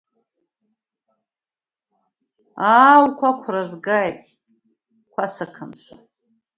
Аа, уқәақәра згааит, Қәаса қамса.